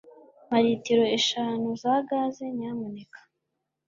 Mpa litiro eshanu za gaze, nyamuneka.